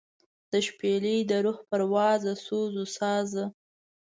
دشپیلۍ دروح پروازه سوزوسازه